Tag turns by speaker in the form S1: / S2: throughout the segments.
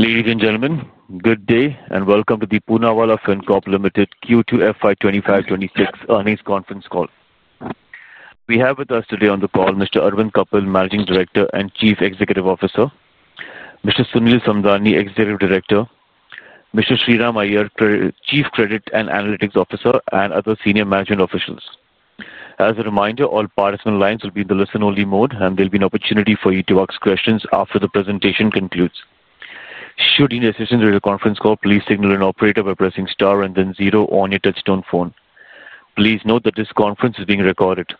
S1: Ladies and gentlemen, good day and welcome to the Poonawalla Fincorp Limited Q2 FY 2025-2026 earnings conference call. We have with us today on the call Mr. Arvind Kapil, Managing Director and Chief Executive Officer; Mr. Sunil Samdani, Executive Director; Mr. Shriram Iyer, Chief Credit and Analytics Officer; and other senior management officials. As a reminder, all participant lines will be in the listen-only mode, and there will be an opportunity for you to ask questions after the presentation concludes. Should you need any assistance during the conference call, please signal an operator by pressing star and then zero on your touch-tone phone. Please note that this conference is being recorded.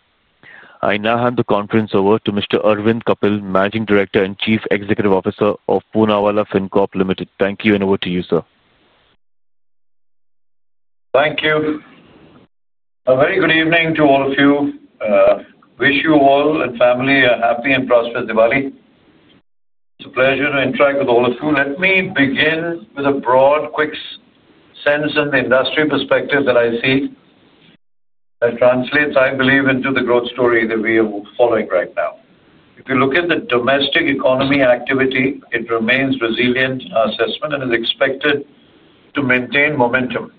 S1: I now hand the conference over to Mr. Arvind Kapil, Managing Director and Chief Executive Officer of Poonawalla Fincorp Limited. Thank you and over to you, sir.
S2: Thank you. A very good evening to all of you. I wish you all and family a happy and prosperous Diwali. It's a pleasure to interact with all of you. Let me begin with a broad, quick sense and the industry perspective that I see that translates, I believe, into the growth story that we are following right now. If you look at the domestic economy activity, it remains resilient in our assessment and is expected to maintain momentum.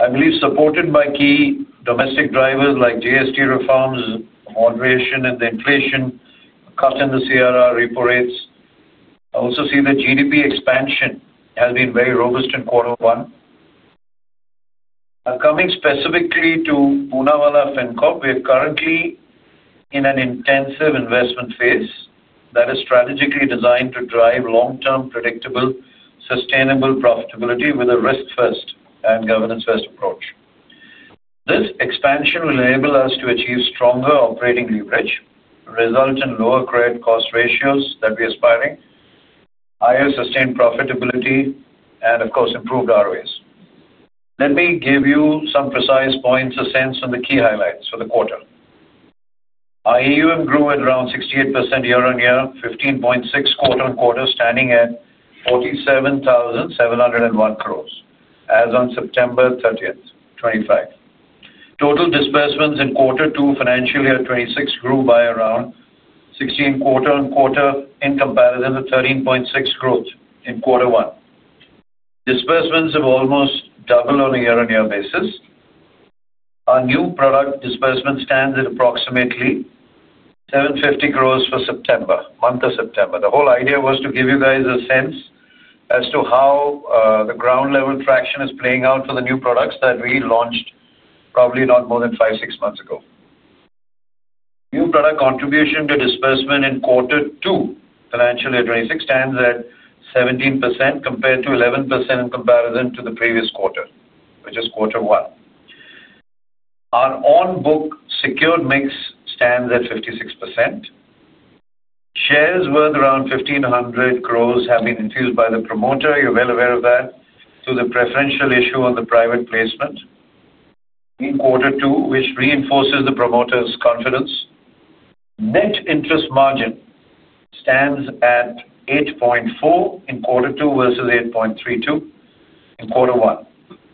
S2: I believe supported by key domestic drivers like GST reforms, moderation in the inflation, a cut in the CRR repo rates. I also see that GDP expansion has been very robust in quarter one. Now, coming specifically to Poonawalla Fincorp, we are currently in an intensive investment phase that is strategically designed to drive long-term predictable, sustainable profitability with a risk-first and governance-first approach. This expansion will enable us to achieve stronger operating leverage, result in lower credit cost ratios that we are aspiring, higher sustained profitability, and of course, improved ROAs. Let me give you some precise points, a sense of the key highlights for the quarter. Our AUM grew at around 68% year-on-year, 15.6% quarter-on-quarter, standing at 47,701 crore as on September 30th, 2025. Total disbursements in quarter two financial year 2026 grew by around 16% quarter-on-quarter in comparison to 13.6% growth in quarter one. Disbursements have almost doubled on a year-on-year basis. Our new product disbursement stands at approximately 750 crore for the month of September. The whole idea was to give you guys a sense as to how the ground-level traction is playing out for the new products that we launched, probably not more than five, six months ago. New product contribution to disbursement in quarter two financial year 2026 stands at 17% compared to 11% in comparison to the previous quarter, which is quarter one. Our on-book secured mix stands at 56%. Shares worth around 1,500 crore have been infused by the promoter, you're well aware of that, through the preferential issue on the private placement in quarter two, which reinforces the promoter's confidence. Net interest margin stands at 8.4% in quarter two versus 8.32% in quarter one.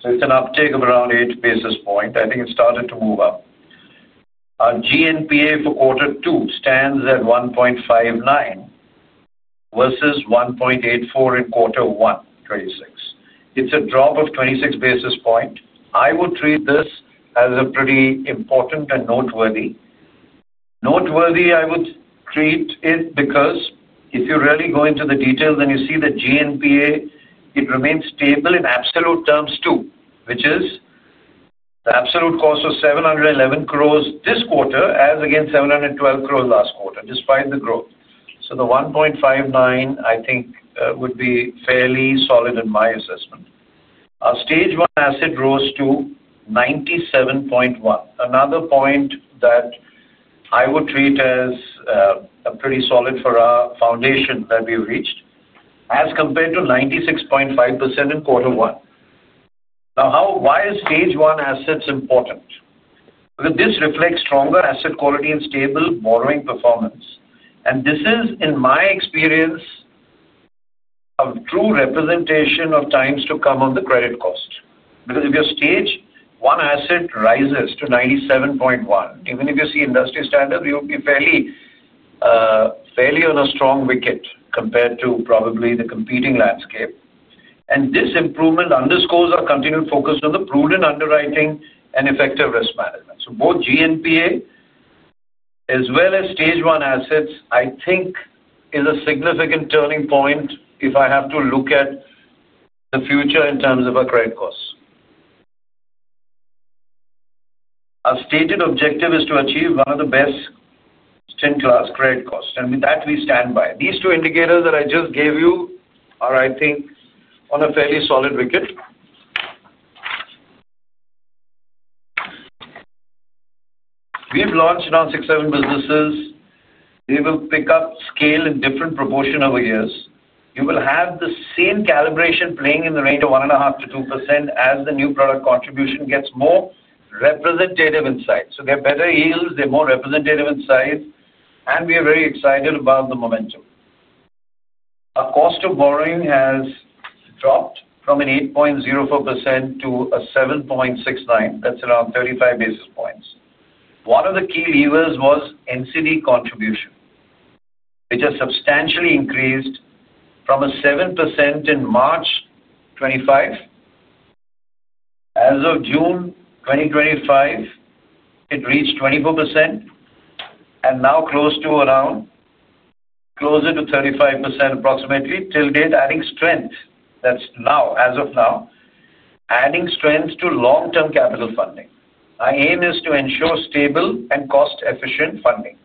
S2: It's an uptick of around 8 basis points. I think it started to move up. Our gross NPA for quarter two stands at 1.59% versus 1.84% in quarter one, 2026. It's a drop of 26 basis points. I would treat this as a pretty important and noteworthy. Noteworthy, I would treat it because if you really go into the details, then you see the gross NPA, it remains stable in absolute terms too, which is the absolute cost of 711 crore this quarter as against 712 crore last quarter, despite the growth. So the 1.59%, I think, would be fairly solid in my assessment. Our stage one asset growth to 97.1%. Another point that I would treat as pretty solid for our foundation that we've reached, as compared to 96.5% in quarter one. Now, why are stage one assets important? Because this reflects stronger asset quality and stable borrowing performance. This is, in my experience, a true representation of times to come on the credit cost. If your stage one asset rises to 97.1%, even if you see industry standards, you would be fairly on a strong wicket compared to probably the competing landscape. This improvement underscores our continued focus on prudent underwriting and effective risk management. Both GNPA as well as stage one assets, I think, is a significant turning point if I have to look at the future in terms of our credit costs. Our stated objective is to achieve one of the best, stint-class credit costs. With that, we stand by. These two indicators that I just gave you are, I think, on a fairly solid wicket. We've launched around six, seven businesses. They will pick up scale in different proportions over years. You will have the same calibration playing in the range of 1.5%-2% as the new product contribution gets more representative insights. They're better yields, they're more representative insights, and we are very excited about the momentum. Our cost of borrowing has dropped from 8.04% to 7.69%. That's around 35 basis points. One of the key levers was non-convertible debentures contribution, which has substantially increased from 7% in March 2025. As of June 2025, it reached 24% and now close to around 35% approximately till date, adding strength. That's now, as of now, adding strength to long-term capital funding. Our aim is to ensure stable and cost-efficient funding.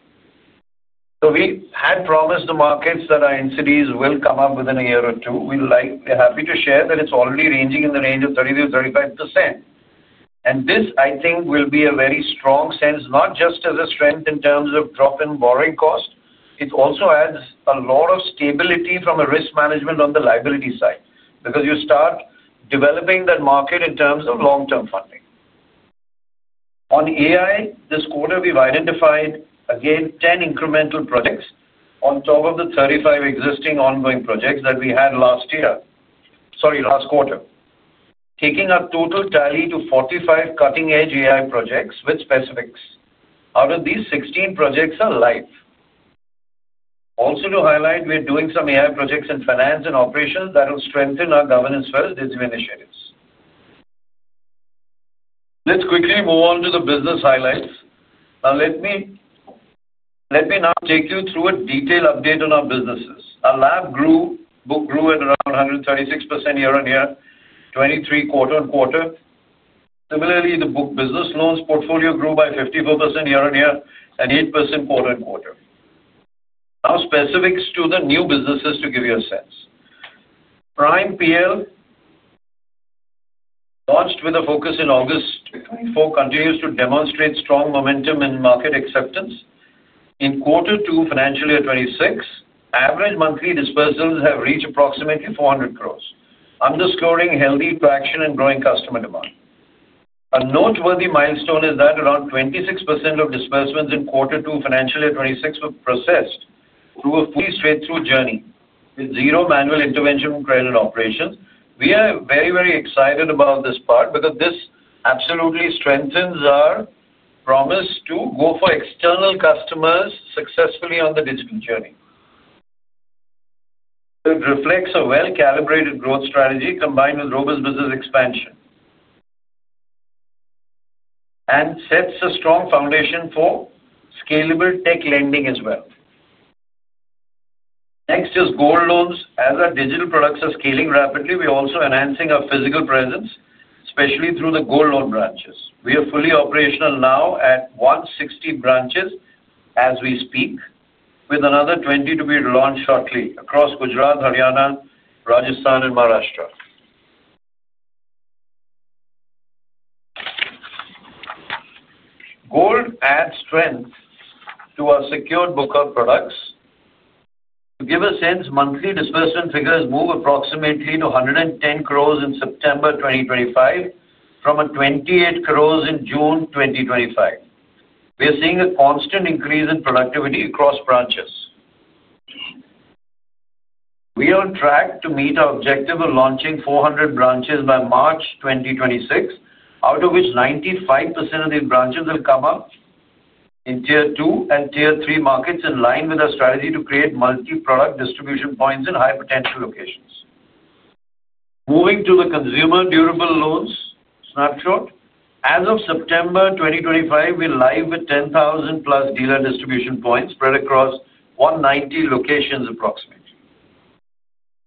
S2: We had promised the markets that our non-convertible debentures will come up within a year or two. We're happy to share that it's already ranging in the range of 30%-35%. This, I think, will be a very strong sense, not just as a strength in terms of drop in borrowing cost. It also adds a lot of stability from a risk management on the liability side because you start developing that market in terms of long-term funding. On AI, this quarter, we've identified, again, 10 incremental products on top of the 35 existing ongoing projects that we had last year, sorry, last quarter, taking our total tally to 45 cutting-edge AI projects with specifics. Out of these, 16 projects are live. Also, to highlight, we're doing some AI projects in finance and operations that will strengthen our governance for our initiatives. Let's quickly move on to the business highlights. Now, let me now take you through a detailed update on our businesses. Our lab book grew at around 136% year-on-year, 23% quarter-on-quarter. Similarly, the book Business Loans portfolio grew by 54% year-on-year and 8% quarter-on-quarter. Now, specifics to the new businesses to give you a sense. Prime PL, launched with a focus in August 2024, continues to demonstrate strong momentum in market acceptance. In quarter two, financial year 2026, average monthly disbursals have reached approximately 400 crore, underscoring healthy traction and growing customer demand. A noteworthy milestone is that around 26% of disbursements in quarter two, financial year 2026, were processed through a fully straight-through journey with zero manual intervention in credit operations. We are very, very excited about this part because this absolutely strengthens our promise to go for external customers successfully on the digital journey. It reflects a well-calibrated growth strategy combined with robust business expansion and sets a strong foundation for scalable tech lending as well. Next is Gold Loans. As our digital products are scaling rapidly, we're also enhancing our physical presence, especially through the Gold Loan branches. We are fully operational now at 160 branches as we speak, with another 20 to be launched shortly across Gujarat, Haryana, Rajasthan, and Maharashtra. Gold adds strength to our secured book of products. To give a sense, monthly disbursement figures move approximately to 110 crore in September 2025 from 28 crore in June 2025. We are seeing a constant increase in productivity across branches. We are on track to meet our objective of launching 400 branches by March 2026, out of which 95% of these branches will come up in tier two and tier three markets in line with our strategy to create multi-product distribution points in high-potential locations. Moving to the consumer durable loans snapshot, as of September 2025, we're live with 10,000+ dealer distribution points spread across 190 locations approximately.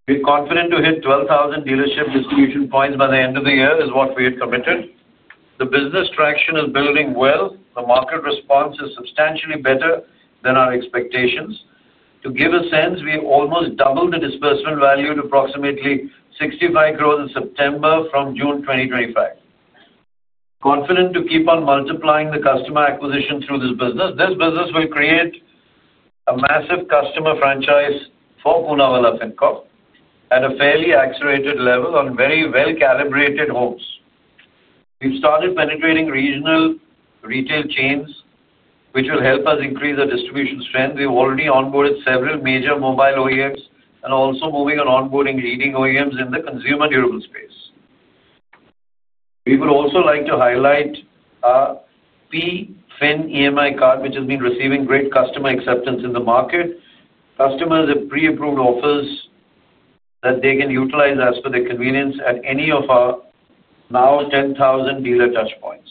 S2: We're confident to hit 12,000 dealership distribution points by the end of the year, as we had committed. The business traction is building well. The market response is substantially better than our expectations. To give a sense, we almost doubled the disbursement value to approximately 65 crore in September from June 2025. Confident to keep on multiplying the customer acquisition through this business. This business will create a massive customer franchise for Poonawalla Fincorp at a fairly accelerated level on very well-calibrated homes. We've started penetrating regional retail chains, which will help us increase our distribution strength. We've already onboarded several major mobile OEMs and are also moving on onboarding leading OEMs in the consumer durable space. We would also like to highlight our PFIN EMI card, which has been receiving great customer acceptance in the market. Customers have pre-approved offers that they can utilize as per their convenience at any of our now 10,000 dealer touchpoints.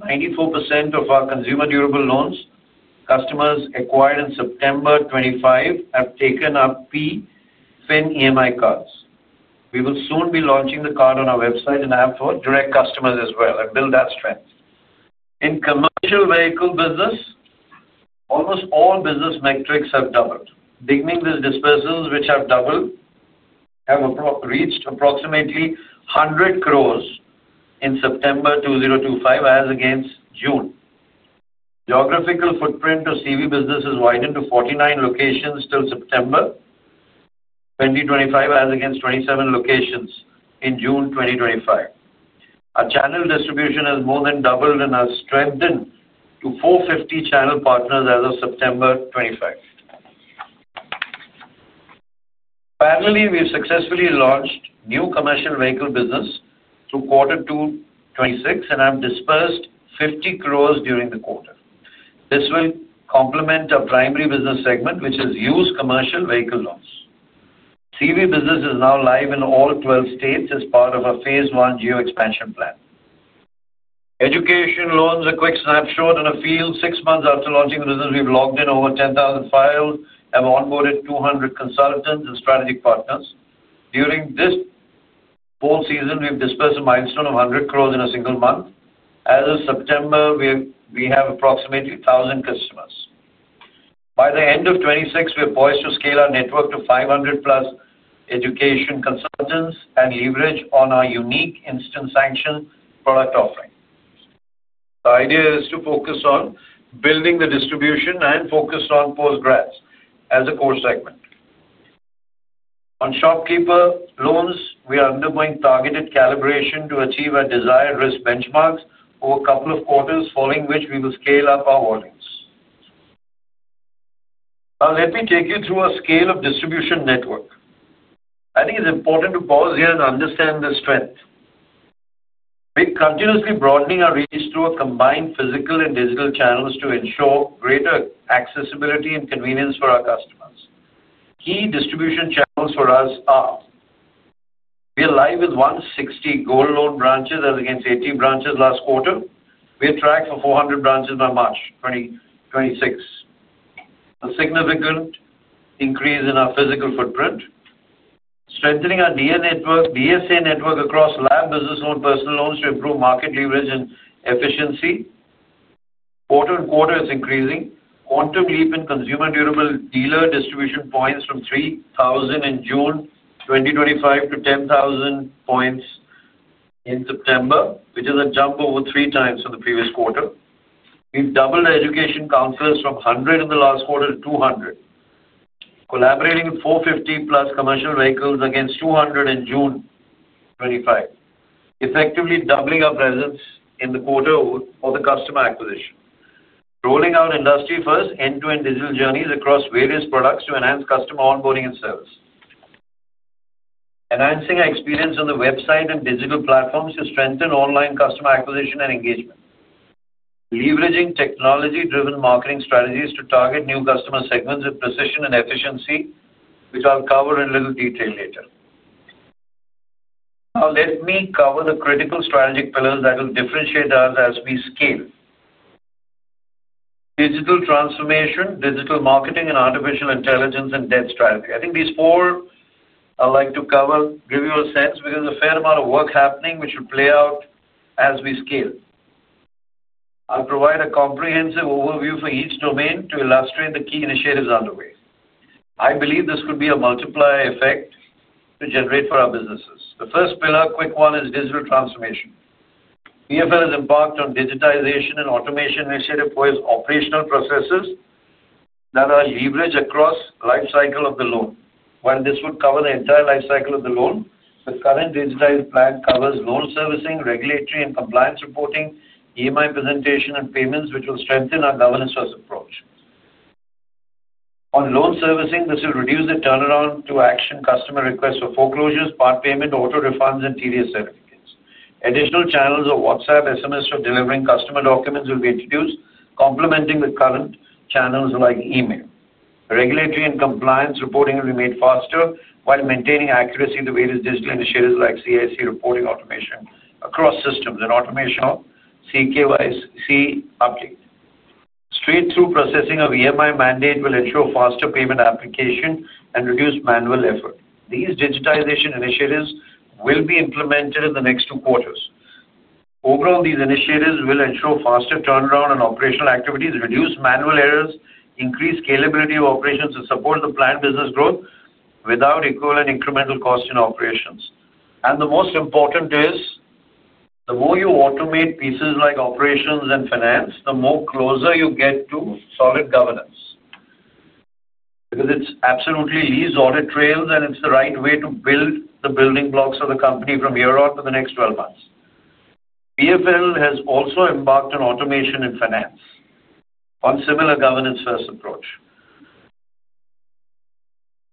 S2: 94% of our consumer durable loans customers acquired in September 2025 have taken our PFIN EMI cards. We will soon be launching the card on our website and app for direct customers as well and build that strength. In the Commercial Vehicle business, almost all business metrics have doubled. Beginning with disbursals, which have doubled, have reached approximately 100 crore in September 2025 as against June. The geographical footprint of the CV business has widened to 49 locations till September 2025 as against 27 locations in June 2025. Our channel distribution has more than doubled and has strengthened to 450 channel partners as of September 2025. Finally, we've successfully launched new Commercial Vehicle business through quarter two 2026 and have disbursed 50 crore during the quarter. This will complement our primary business segment, which is used Commercial Vehicle Loans. CV business is now live in all 12 states as part of our phase one geo-expansion plan. Education Loans, a quick snapshot on a field six months after launching the business, we've logged in over 10,000 files, have onboarded 200 consultants and strategic partners. During this whole season, we've disbursed a milestone of 100 crore in a single month. As of September, we have approximately 1,000 customers. By the end of 2026, we're poised to scale our network to 500+ education consultants and leverage on our unique instant sanction product offering. The idea is to focus on building the distribution and focus on post-grads as a core segment. On shopkeeper loans, we are undergoing targeted calibration to achieve our desired risk benchmarks over a couple of quarters, following which we will scale up our holdings. Now, let me take you through our scale of distribution network. I think it's important to pause here and understand the strength. We're continuously broadening our reach through our combined physical and digital channels to ensure greater accessibility and convenience for our customers. Key distribution channels for us are: we are live with 160 Gold Loan branches as against 80 branches last quarter. We're tracked for 400 branches by March 2026, a significant increase in our physical footprint. Strengthening our DSA network across LA Business Loans, Personal Loans to improve market leverage and efficiency. Quarter-on-quarter, it's increasing. Quantum leap in consumer durable dealer distribution points from 3,000 in June 2025 to 10,000 points in September, which is a jump over 3x from the previous quarter. We've doubled our education counselors from 100 in the last quarter to 200. Collaborating with 450+ Commercial Vehicle Loans against 200 in June 2025, effectively doubling our presence in the quarter for the customer acquisition. Rolling out industry-first end-to-end digital journeys across various products to enhance customer onboarding and service. Enhancing our experience on the website and digital platforms to strengthen online customer acquisition and engagement. Leveraging technology-driven marketing strategies to target new customer segments with precision and efficiency, which I'll cover in a little detail later. Now, let me cover the critical strategic pillars that will differentiate us as we scale: digital transformation, digital marketing, and artificial intelligence and dev strategy. I think these four I'd like to cover to give you a sense because there's a fair amount of work happening, which will play out as we scale. I'll provide a comprehensive overview for each domain to illustrate the key initiatives underway. I believe this could be a multiplier effect to generate for our businesses. The first pillar, quick one, is digital transformation. PFL has embarked on digitization and automation initiative for its operational processes that are leveraged across the lifecycle of the loan. While this would cover the entire lifecycle of the loan, the current digitized plan covers loan servicing, regulatory and compliance reporting, EMI presentation, and payments, which will strengthen our governance-first approach. On loan servicing, this will reduce the turnaround to action customer requests for foreclosures, part payment, auto refunds, and TDS certificates. Additional channels of WhatsApp and SMS for delivering customer documents will be introduced, complementing the current channels like email. Regulatory and compliance reporting will be made faster while maintaining accuracy through various digital initiatives like CIC reporting automation across systems and automation of CKYC update. Straight-through processing of EMI mandate will ensure faster payment application and reduce manual effort. These digitization initiatives will be implemented in the next two quarters. Overall, these initiatives will ensure faster turnaround on operational activities, reduce manual errors, increase scalability of operations, and support the planned business growth without equivalent incremental costs in operations. The most important is the more you automate pieces like operations and finance, the closer you get to solid governance because it's absolutely least audit trails and it's the right way to build the building blocks of the company from here on to the next 12 months. PFL has also embarked on automation in finance on a similar governance-first approach,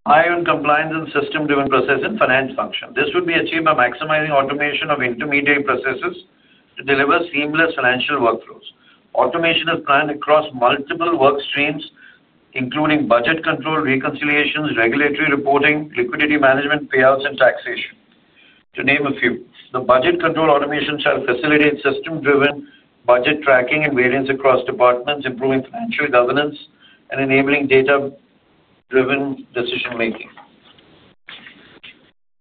S2: high on compliance and system-driven process in the finance function. This would be achieved by maximizing automation of intermediary processes to deliver seamless financial workflows. Automation is planned across multiple work streams, including budget control, reconciliations, regulatory reporting, liquidity management, payouts, and taxation, to name a few. The budget control automation shall facilitate system-driven budget tracking and variance across departments, improving financial governance and enabling data-driven decision-making.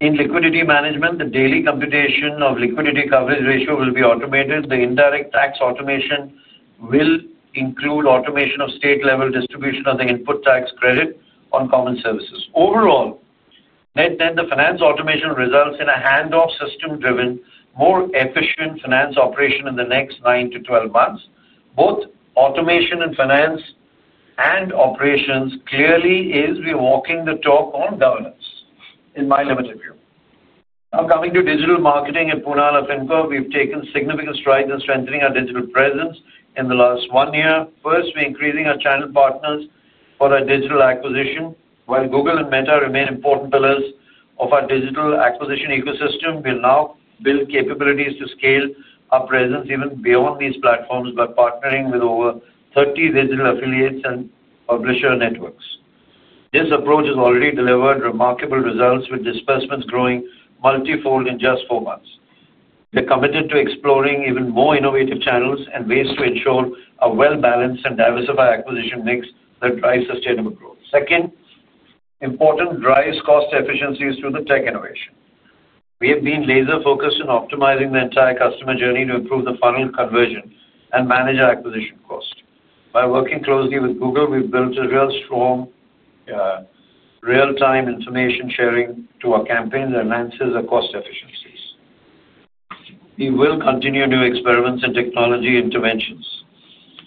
S2: In liquidity management, the daily computation of liquidity coverage ratio will be automated. The indirect tax automation will include automation of state-level distribution of the input tax credit on common services. Overall, net then the finance automation results in a hand-off system-driven, more efficient finance operation in the next 9-12 months. Both automation in finance and operations clearly are walking the talk on governance in my limited view. Now, coming to digital marketing at Poonawalla Fincorp, we've taken significant strides in strengthening our digital presence in the last one year. First, we're increasing our channel partners for our digital acquisition. While Google and Meta remain important pillars of our digital acquisition ecosystem, we'll now build capabilities to scale our presence even beyond these platforms by partnering with over 30 digital affiliates and publisher networks. This approach has already delivered remarkable results, with disbursements growing multifold in just four months. We're committed to exploring even more innovative channels and ways to ensure a well-balanced and diversified acquisition mix that drives sustainable growth. Second, important drives cost efficiencies through the tech innovation. We have been laser-focused in optimizing the entire customer journey to improve the final conversion and manage our acquisition cost. By working closely with Google, we've built a real strong, real-time information sharing to our campaigns that enhances our cost efficiencies. We will continue new experiments and technology interventions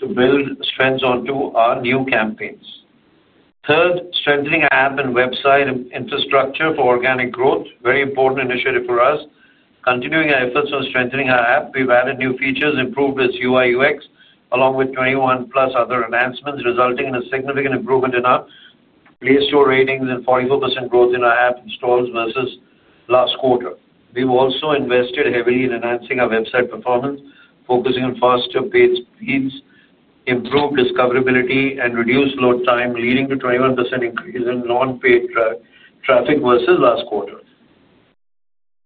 S2: to build strengths onto our new campaigns. Third, strengthening our app and website infrastructure for organic growth, very important initiative for us. Continuing our efforts on strengthening our app, we've added new features, improved its UI/UX, along with 21+ other enhancements, resulting in a significant improvement in our [PS] ratings and 44% growth in our app installs versus last quarter. We've also invested heavily in enhancing our website performance, focusing on faster page speeds, improved discoverability, and reduced load time, leading to a 21% increase in non-paid traffic versus last quarter.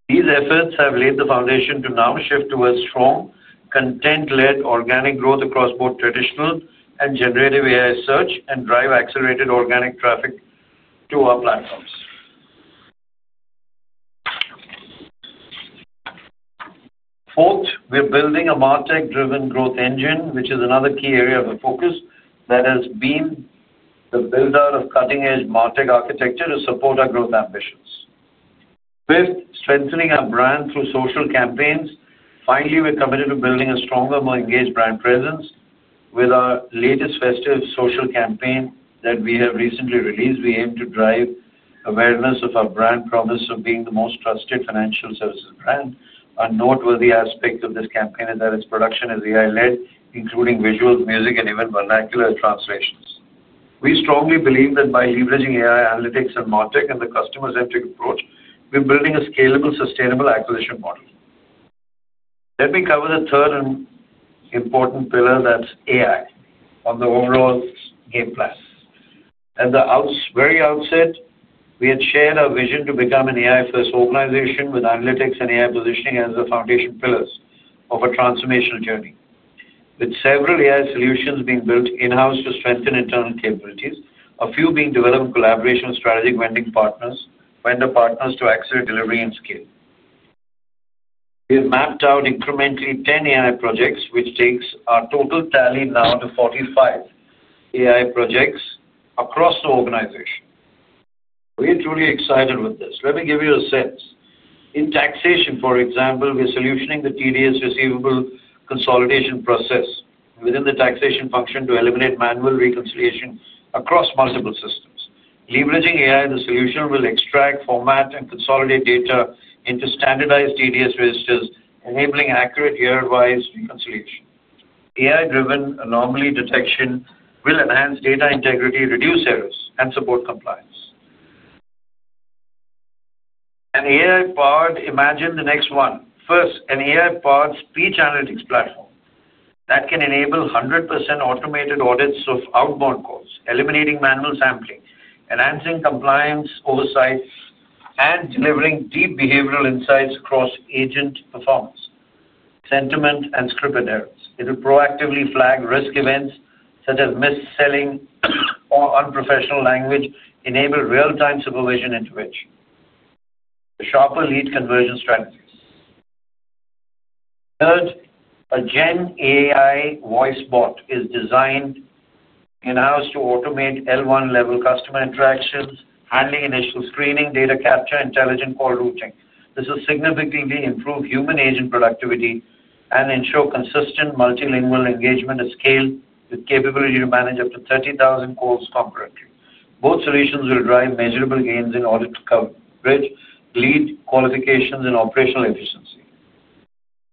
S2: These efforts have laid the foundation to now shift towards strong content-led organic growth across both traditional and generative AI search and drive accelerated organic traffic to our platforms. Fourth, we're building a martech-driven growth engine, which is another key area of our focus that has been the build-out of cutting-edge martech architecture to support our growth ambitions. Fifth, strengthening our brand through social campaigns. Finally, we're committed to building a stronger, more engaged brand presence with our latest festive social campaign that we have recently released. We aim to drive awareness of our brand promise of being the most trusted financial services brand. A noteworthy aspect of this campaign is that its production is AI-led, including visuals, music, and even vernacular translations. We strongly believe that by leveraging AI analytics and martech and the customer-centric approach, we're building a scalable, sustainable acquisition model. Let me cover the third and important pillar, that's AI, on the overall game plan. At the very outset, we had shared our vision to become an AI-first organization with analytics and AI positioning as the foundation pillars of a transformational journey, with several AI solutions being built in-house to strengthen internal capabilities, a few being developed in collaboration with strategic vendor partners to accelerate delivery and scale. We have mapped out incrementally 10 AI projects, which takes our total tally now to 45 AI projects across the organization. We are truly excited with this. Let me give you a sense. In taxation, for example, we're solutioning the TDS receivable consolidation process within the taxation function to eliminate manual reconciliation across multiple systems. Leveraging AI, the solution will extract, format, and consolidate data into standardized TDS registers, enabling accurate year-wise reconciliation. AI-driven anomaly detection will enhance data integrity, reduce errors, and support compliance. Imagine the next one. First, an AI-powered speech analytics platform that can enable 100% automated audits of outbound calls, eliminating manual sampling, enhancing compliance oversight, and delivering deep behavioral insights across agent performance, sentiment, and scripted errors. It will proactively flag risk events such as mis-selling or unprofessional language, enable real-time supervision and intervention, and sharper lead conversion strategies. Third, a Gen AI voice bot is designed in-house to automate L1-level customer interactions, handling initial screening, data capture, and intelligent call routing. This will significantly improve human agent productivity and ensure consistent multilingual engagement at scale with capability to manage up to 30,000 calls concurrently. Both solutions will drive measurable gains in audit coverage, lead qualifications, and operational efficiency.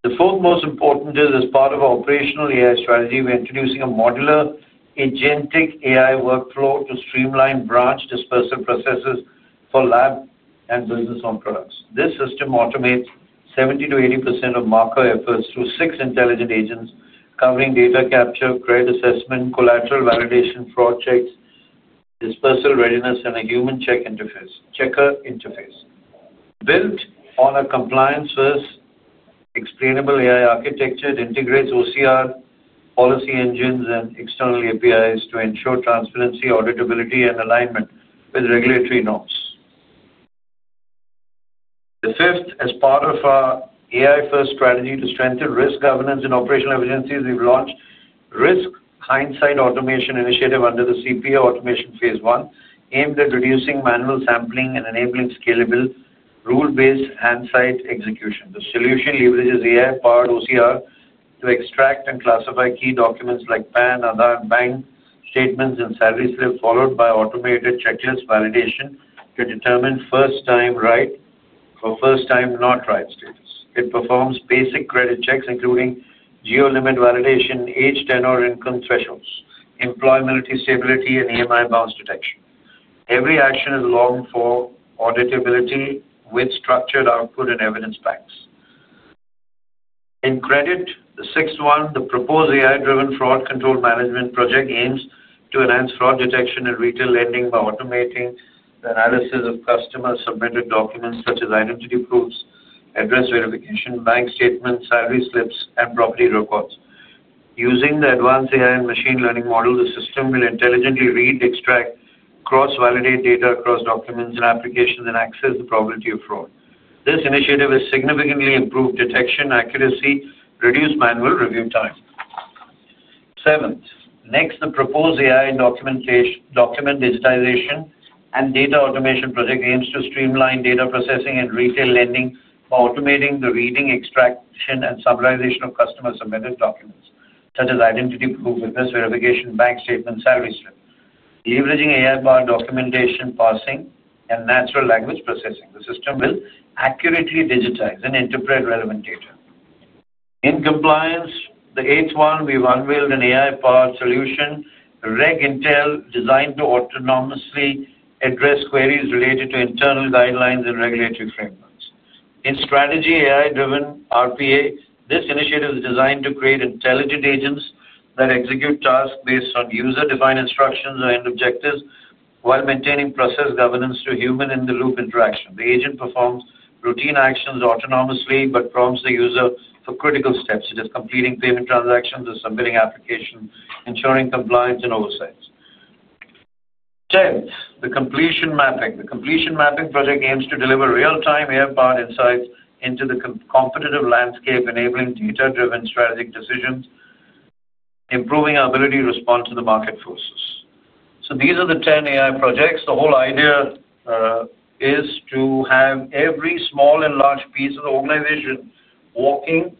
S2: The fourth most important is, as part of our operational AI strategy, we're introducing a modular agentic AI workflow to streamline branch disbursal processes for LA and Business Loans products. This system automates 70%-80% of market efforts through six intelligent agents covering data capture, credit assessment, collateral validation, fraud checks, disbursal readiness, and a human check interface. Built on a compliance-first, explainable AI architecture that integrates OCR policy engines and external APIs to ensure transparency, auditability, and alignment with regulatory norms. The fifth, as part of our AI-first strategy to strengthen risk governance and operational efficiencies, we've launched Risk Hindsight Automation Initiative under the CPA Automation Phase One, aimed at reducing manual sampling and enabling scalable rule-based hindsight execution. The solution leverages AI-powered OCR to extract and classify key documents like PAN, Aadhaar, and bank statements and salary slip, followed by automated checklist validation to determine first-time right or first-time not right status. It performs basic credit checks, including geo limit validation, age tenor, income thresholds, employment stability, and EMI bounce detection. Every action is logged for auditability with structured output and evidence banks. In credit, the sixth one, the proposed AI-driven fraud control management project aims to enhance fraud detection in retail lending by automating the analysis of customer-submitted documents such as identity proofs, address verification, bank statements, salary slips, and property records. Using the advanced AI and machine learning model, the system will intelligently read, extract, cross-validate data across documents and applications, and assess the probability of fraud. This initiative has significantly improved detection accuracy and reduced manual review time. Seventh: next, the proposed AI document digitization and data automation project aims to streamline data processing in retail lending by automating the reading, extraction, and summarization of customer-submitted documents such as identity proof, address verification, bank statements, and salary slip, leveraging AI-powered documentation, parsing, and natural language processing. The system will accurately digitize and interpret relevant data. In compliance, the eighth one, we've unveiled an AI-powered solution, [Reg Intel], designed to autonomously address queries related to internal guidelines and regulatory frameworks. In strategy, AI-driven RPA, this initiative is designed to create intelligent agents that execute tasks based on user-defined instructions and objectives while maintaining process governance through human-in-the-loop interaction. The agent performs routine actions autonomously but prompts the user for critical steps, such as completing payment transactions or submitting applications, ensuring compliance and oversight. Tenth: the completion mapping. The completion mapping project aims to deliver real-time AI-powered insights into the competitive landscape, enabling data-driven strategic decisions and improving our ability to respond to market forces. These are the 10 AI projects. The whole idea is to have every small and large piece of the organization walking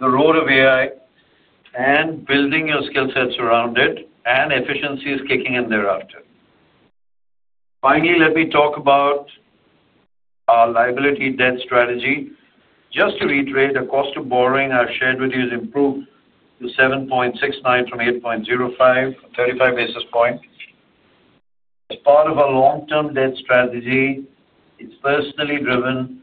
S2: the road of AI and building your skill sets around it, and efficiency is kicking in thereafter. Finally, let me talk about our liability debt strategy. Just to reiterate, the cost of borrowing I shared with you has improved to 7.69% from 8.05%, a 35 basis point improvement. As part of our long-term debt strategy, it's personally driven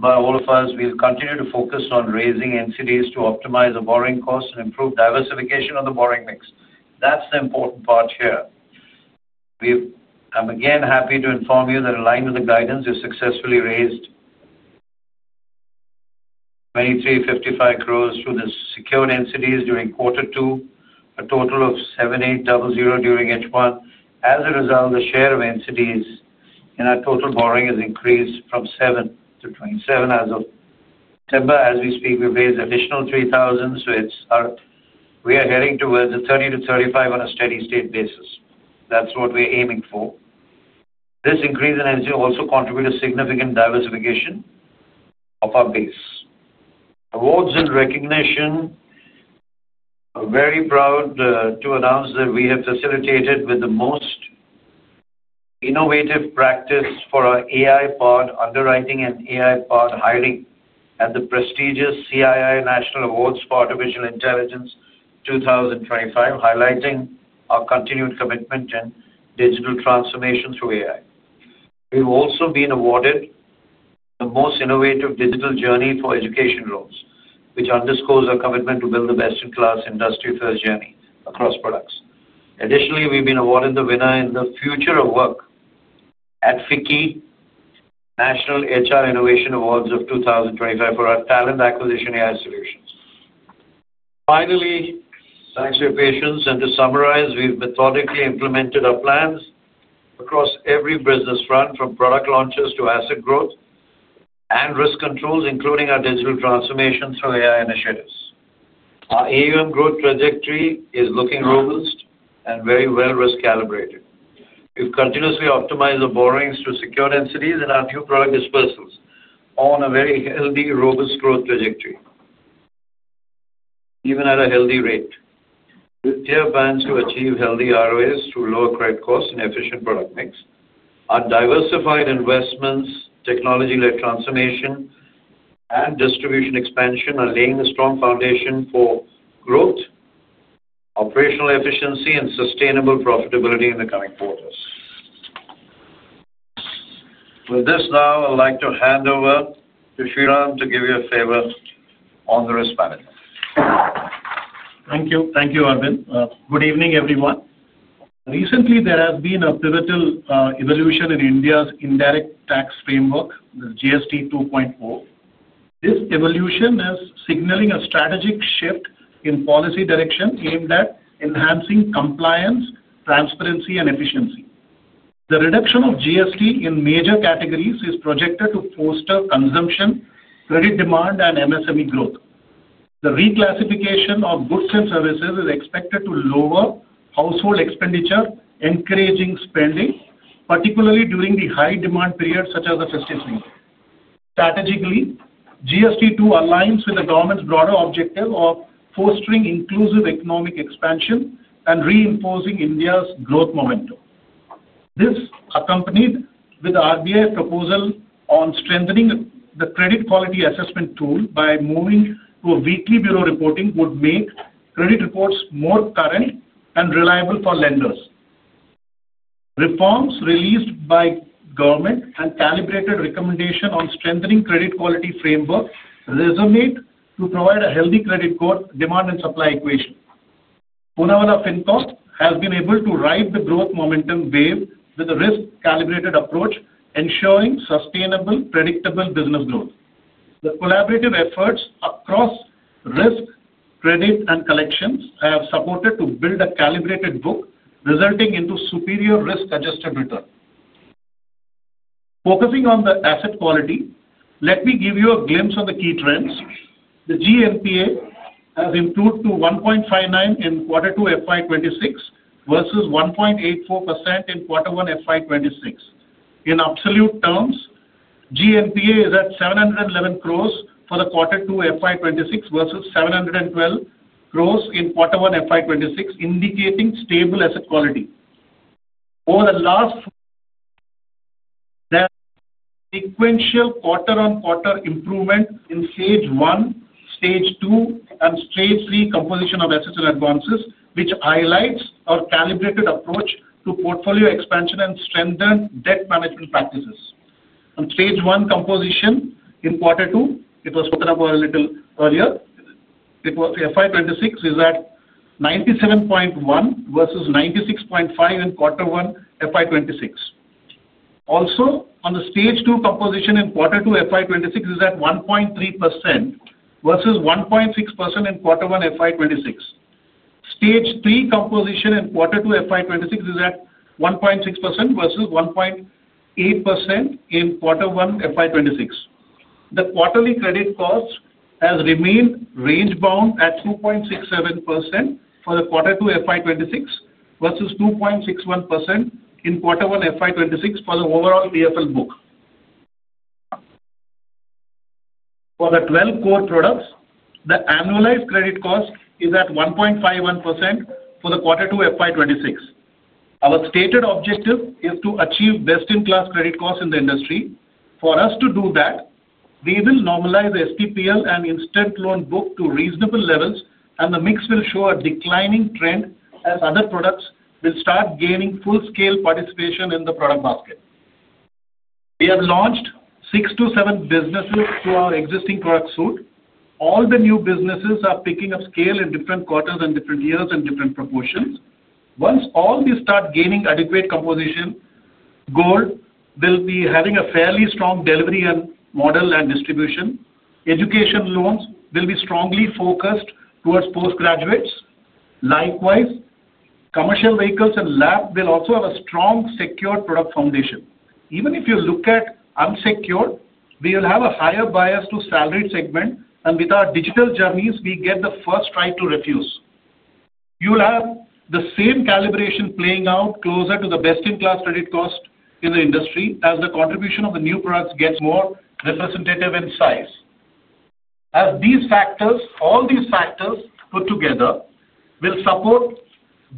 S2: by all of us. We'll continue to focus on raising NCDs to optimize the borrowing costs and improve diversification of the borrowing mix. That's the important part here. I'm again happy to inform you that in line with the guidance, we've successfully raised 23,555 crore through secured NCDs during quarter two, a total of 7,800 crore during H1. As a result, the share of NCDs in our total borrowing has increased from 7% to 27% as of September. As we speak, we've raised an additional 3,000 crore, so we are heading towards the 30%-35% on a steady state basis. That's what we're aiming for. This increase in NCD also contributes to significant diversification of our base. Awards and recognition, I'm very proud to announce that we have been felicitated with the most innovative practice for our AI-powered underwriting and AI-powered hiring at the prestigious CII National Awards for Artificial Intelligence 2025, highlighting our continued commitment in digital transformation through AI. We've also been awarded the most innovative digital journey for Education Loans, which underscores our commitment to build the best-in-class industry-first journey across products. Additionally, we've been awarded the winner in the future of work at FICCI National HR Innovation Awards of 2025 for our talent acquisition AI solutions. Finally, thanks for your patience. To summarize, we've methodically implemented our plans across every business front, from product launches to asset growth and risk controls, including our digital transformation through AI initiatives. Our AUM growth trajectory is looking robust and very well risk-calibrated. We've continuously optimized the borrowings through secured NCDs and our new product disbursals on a very healthy, robust growth trajectory, even at a healthy rate. We have plans to achieve healthy ROAs through lower credit costs and efficient product mix. Our diversified investments, technology-led transformation, and distribution expansion are laying a strong foundation for growth, operational efficiency, and sustainable profitability in the coming quarters. With this now, I'd like to hand over to Shriram to give you a flavor on the risk management.
S3: Thank you. Thank you, Arvind. Good evening, everyone. Recently, there has been a pivotal evolution in India's indirect tax framework, the GST 2.4. This evolution is signaling a strategic shift in policy direction aimed at enhancing compliance, transparency, and efficiency. The reduction of GST in major categories is projected to foster consumption, credit demand, and MSME growth. The reclassification of goods and services is expected to lower household expenditure, encouraging spending, particularly during the high demand period, such as the festive season. Strategically, GST 2 aligns with the government's broader objective of fostering inclusive economic expansion and reinforcing India's growth momentum. This, accompanied with the RBI proposal on strengthening the credit quality assessment tool by moving to a weekly bureau reporting, would make credit reports more current and reliable for lenders. Reforms released by the government and calibrated recommendation on strengthening credit quality framework resonate to provide a healthy credit core demand and supply equation. Poonawalla Fincorp has been able to ride the growth momentum wave with a risk-calibrated approach, ensuring sustainable, predictable business growth. The collaborative efforts across risk, credit, and collections have supported to build a calibrated book, resulting in a superior risk-adjusted return. Focusing on the asset quality, let me give you a glimpse of the key trends. The GNPA has improved to 1.59% in quarter two, FY 2026, versus 1.84% in quarter one, FY 2026. In absolute terms, GNPA is at 711 crore for quarter two, FY 2026, versus 712 crore in quarter one, FY 2026, indicating stable asset quality. Over the last sequential quarter-on-quarter improvement in stage one, stage two, and stage three composition of assets and advances, which highlights our calibrated approach to portfolio expansion and strengthened debt management practices. On stage one composition in quarter two, it was spoken about a little earlier. It was FY 2026 is at 97.1% versus 96.5% in quarter one, FY 2026. Also, on the stage two composition in quarter two, FY 2026 is at 1.3% versus 1.6% in quarter one, FY 2026. Stage three composition in quarter two, FY 2026 is at 1.6% versus 1.8% in quarter one, FY 2026. The quarterly credit cost has remained range-bound at 2.67% for quarter two, FY 2026, versus 2.61% in quarter one, FY 2026, for the overall PFL book. For the 12 core products, the annualized credit cost is at 1.51% for quarter two, FY 2026. Our stated objective is to achieve best-in-class credit costs in the industry. For us to do that, we will normalize the STPL and instant loan book to reasonable levels, and the mix will show a declining trend as other products will start gaining full-scale participation in the product basket. We have launched six to seven businesses to our existing product suite. All the new businesses are picking up scale in different quarters and different years and different proportions. Once all these start gaining adequate composition, gold will be having a fairly strong delivery model and distribution. Education Loans will be strongly focused towards postgraduates. Likewise, Commercial Vehicle and LA will also have a strong secured product foundation. Even if you look at unsecured, we will have a higher bias to salaried segment, and with our digital journeys, we get the first strike to refuse. You'll have the same calibration playing out closer to the best-in-class credit cost in the industry as the contribution of the new products gets more representative in size. As these factors, all these factors put together, will support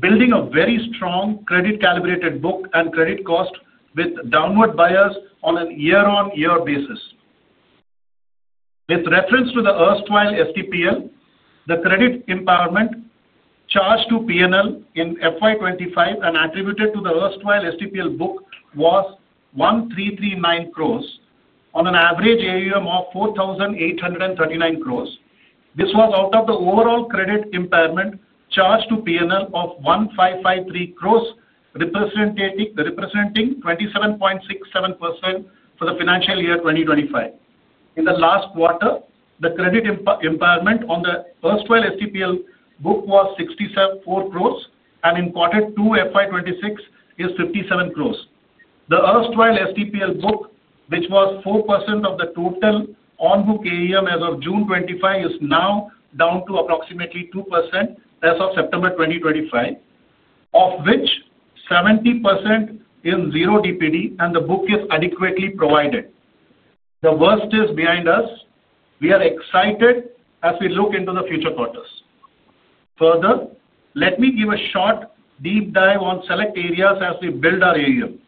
S3: building a very strong credit-calibrated book and credit cost with downward bias on a year-on-year basis. With reference to the erstwhile STPL, the credit empowerment charge to P&L in FY 2025 and attributed to the erstwhile STPL book was 1,339 crore on an average assets under management of 4,839 crore. This was out of the overall credit empowerment charge to P&L of 1,553 crore, representing 27.67% for the financial year 2025. In the last quarter, the credit empowerment on the erstwhile STPL book was 64 crore, and in quarter two, FY 2026 is 57 crore. The erstwhile STPL book, which was 4% of the total on-book AUM as of June 2025, is now down to approximately 2% as of September 2025, of which 70% is zero DPD, and the book is adequately provided. The worst is behind us. We are excited as we look into the future quarters. Further, let me give a short deep dive on select areas as we build our AUM.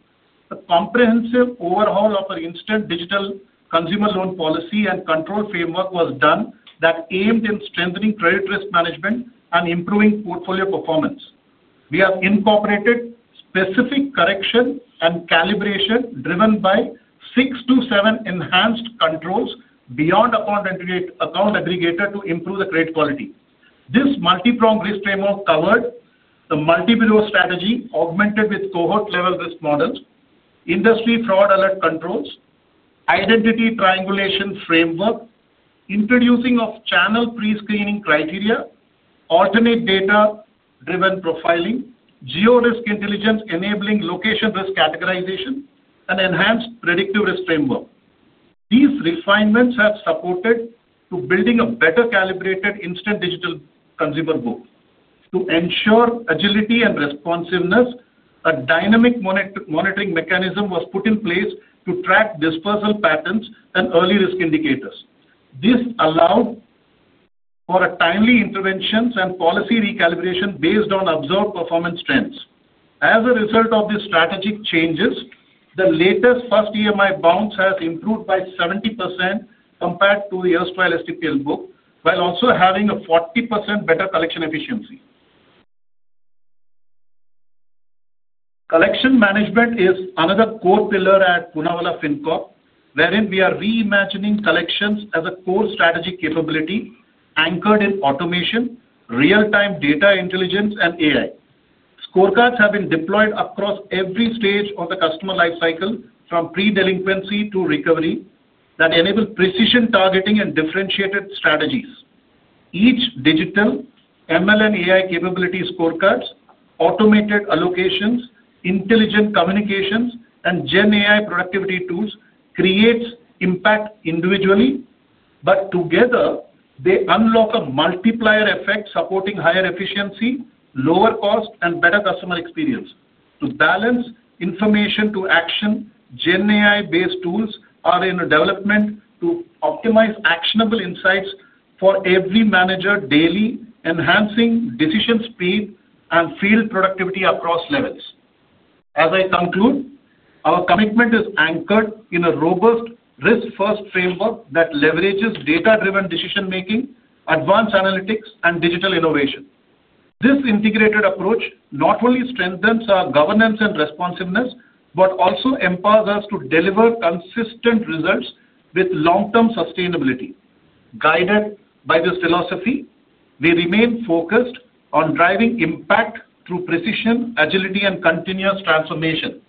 S3: A comprehensive overhaul of our instant digital consumer loan policy and control framework was done that aimed at strengthening credit risk management and improving portfolio performance. We have incorporated specific correction and calibration driven by six to seven enhanced controls beyond account aggregator to improve the credit quality. This multi-prong risk framework covered the multi-bureau strategy, augmented with cohort-level risk models, industry fraud alert controls, identity triangulation framework, introduction of channel pre-screening criteria, alternate data-driven profiling, geo-risk intelligence enabling location risk categorization, and enhanced predictive risk framework. These refinements have supported building a better calibrated instant digital consumer book. To ensure agility and responsiveness, a dynamic monitoring mechanism was put in place to track disbursal patterns and early risk indicators. This allowed for timely interventions and policy recalibration based on observed performance trends. As a result of these strategic changes, the latest first EMI bounce has improved by 70% compared to the erstwhile STPL book, while also having a 40% better collection efficiency. Collection management is another core pillar at Poonawalla Fincorp, wherein we are reimagining collections as a core strategic capability anchored in automation, real-time data intelligence, and AI. Scorecards have been deployed across every stage of the customer lifecycle, from pre-delinquency to recovery, that enable precision targeting and differentiated strategies. Each digital ML and AI capability, scorecards, automated allocations, intelligent communications, and Gen AI productivity tools create impact individually, but together, they unlock a multiplier effect supporting higher efficiency, lower cost, and better customer experience. To balance information to action, Gen AI-based tools are in development to optimize actionable insights for every manager daily, enhancing decision speed and field productivity across levels. As I conclude, our commitment is anchored in a robust risk-first framework that leverages data-driven decision-making, advanced analytics, and digital innovation. This integrated approach not only strengthens our governance and responsiveness, but also empowers us to deliver consistent results with long-term sustainability. Guided by this philosophy, we remain focused on driving impact through precision, agility, and continuous transformation.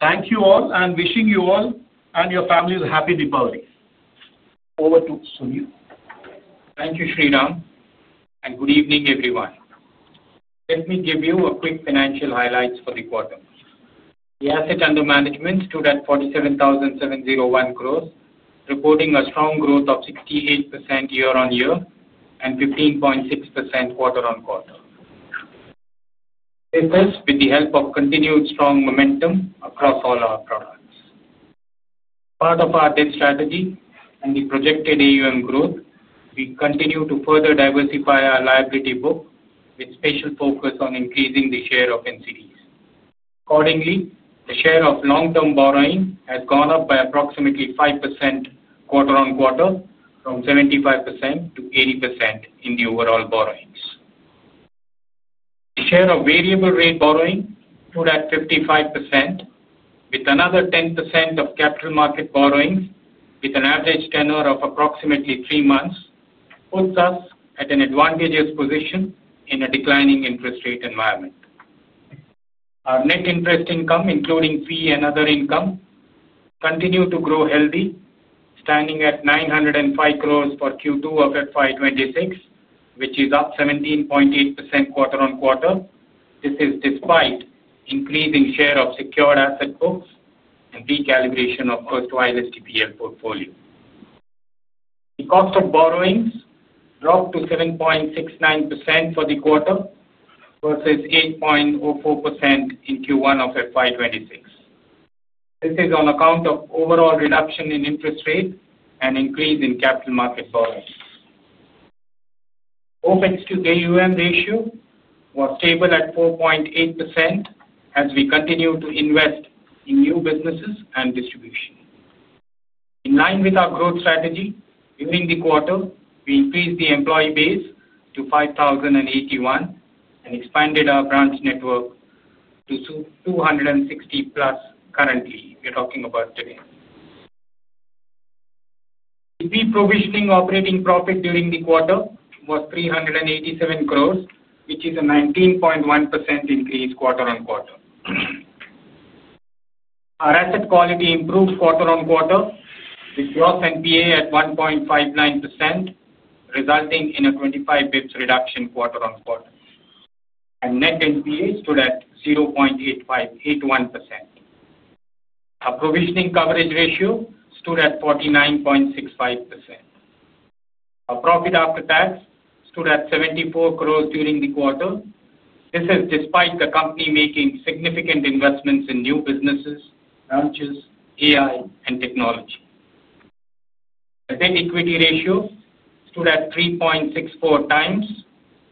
S3: Thank you all and wishing you and your families happy Diwali.
S4: Thank you, Shriram, and good evening, everyone. Let me give you a quick financial highlights for the quarter. The assets under management stood at 47,701 crore, reporting a strong growth of 68% year-on-year and 15.6% quarter-on-quarter. This is with the help of continued strong momentum across all our products. Part of our debt strategy and the projected AUM growth, we continue to further diversify our liability book with special focus on increasing the share of NCDs. Accordingly, the share of long-term borrowing has gone up by approximately 5% quarter-on-quarter, from 75% to 80% in the overall borrowings. The share of variable rate borrowing stood at 55%, with another 10% of capital market borrowings, with an average tenor of approximately three months, puts us at an advantageous position in a declining interest rate environment. Our net interest income, including fee and other income, continues to grow healthy, standing at 905 crore for Q2 of FY 2026, which is up 17.8% quarter-on-quarter. This is despite increasing share of secured asset books and recalibration of first-wide STPL portfolio. The cost of borrowing dropped to 7.69% for the quarter versus 8.04% in Q1 of FY 2026. This is on account of overall reduction in interest rate and increase in capital market borrowings. OpEx to AUM ratio was stable at 4.8% as we continue to invest in new businesses and distribution. In line with our growth strategy, during the quarter, we increased the employee base to 5,081 and expanded our branch network to 260+ currently. The pre-provisioning operating profit during the quarter was 387 crore, which is a 19.1% increase quarter-on-quarter. Our asset quality improved quarter-on-quarter with gross NPA at 1.59%, resulting in a 25 bps reduction quarter-on-quarter. Net NPA stood at 0.8581%. Our provisioning coverage ratio stood at 49.65%. Our profit after tax stood at 74 crore during the quarter. This is despite the company making significant investments in new businesses, branches, AI, and technology. The debt equity ratio stood at 3.64x.